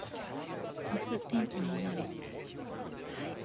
明日天気になれ